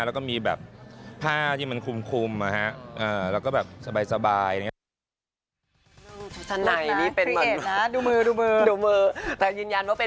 แล้วก็มีแบบผ้าที่มันคุมแล้วก็แบบสบายนะครับ